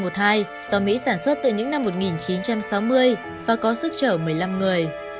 do mỹ sản xuất từ những năm một nghìn chín trăm sáu mươi và có sức trở một mươi năm người